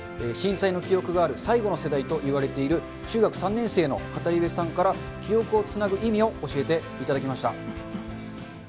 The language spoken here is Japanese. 震災の記憶がある最後の世代といわれている、中学３年生の語り部さんから、記憶をつなぐ意味を教えていただきました。